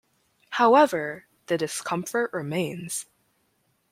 However, the discomfort remains.